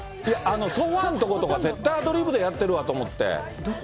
ソファのところとか絶対アドリブでやってるわと思って。